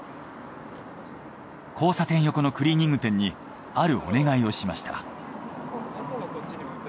交差点横のクリーニング店にあるお願いをしました。